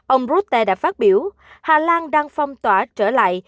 ông rutte đã phát biểu hà lan đang phong tỏa trở lại